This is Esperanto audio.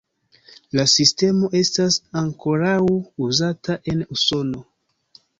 La sistemo estas ankoraŭ uzata en Usono.